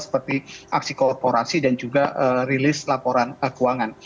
seperti aksi korporasi dan juga rilis laporan keuangan